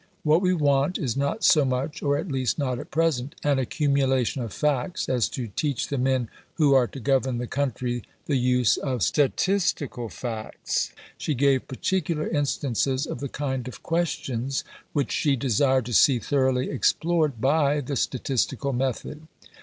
What we want is not so much (or at least not at present) an accumulation of facts as to teach the men who are to govern the country the use of statistical facts." She gave particular instances of the kind of questions which she desired to see thoroughly explored by the statistical method.